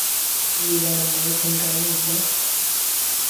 Only one American gun was lost.